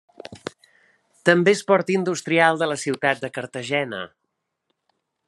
També és port industrial de la ciutat de Cartagena.